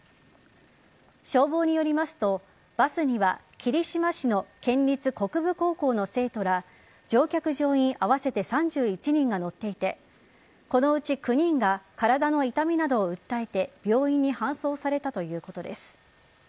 消防によりますと、バスには霧島市の県立国分高校の生徒ら乗客、乗員合わせて３１人が乗っていてこのうち９人が体の痛みなどを訴えて病院に搬送されたということです。